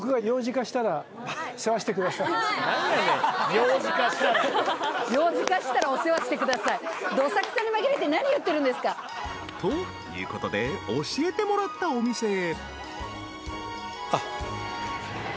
「幼児化したらお世話してください」［ということで教えてもらったお店へ］